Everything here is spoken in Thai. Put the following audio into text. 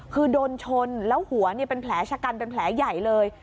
คือโดนชนแล้วหัวเป็นแผลชะกันเป็นแผลใหญ่เลย